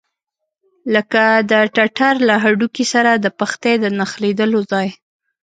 لکه د ټټر له هډوکي سره د پښتۍ د نښلېدلو ځای.